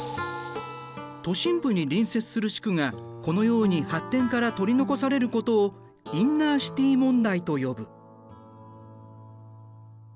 都心部に隣接する地区がこのように発展から取り残されることをインナーシティ問題と呼ぶ。